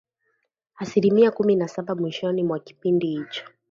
asilimia kumi na saba mwishoni mwa kipindi hicho